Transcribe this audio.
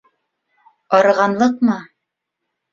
Арығанлыҡмы?